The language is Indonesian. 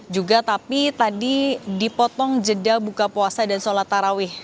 juga tapi tadi dipotong jeda buka puasa dan sholat tarawih